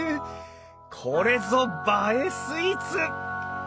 これぞ映えスイーツ！